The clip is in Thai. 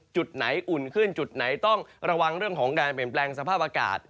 จุดไหนอุ่นขึ้นจุดไหนต้องระวังเรื่องของการเปลี่ยนแปลงสภาพอากาศ